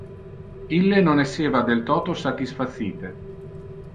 Ille non esseva del toto satisfacite.